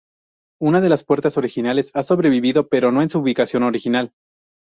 Una de las puertas originales ha sobrevivido, pero no en su ubicación original.